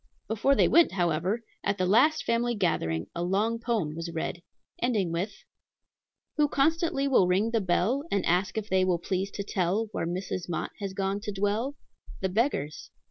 Before they went, however, at the last family gathering a long poem was read, ending with: "Who constantly will ring the bell, And ask if they will please to tell Where Mrs. Mott has gone to dwell? The beggars.